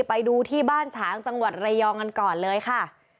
ไปดูที่บ้านฉางจังหวัดระยองกันก่อนเลยค่ะ